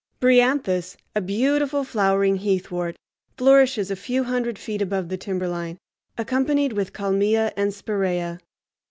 Bryanthus, a beautiful flowering heathwort, flourishes a few hundred feet above the timberline, accompanied with kalmia and spiraea.